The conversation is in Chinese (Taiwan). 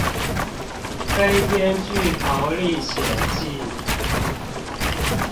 飛天巨桃歷險記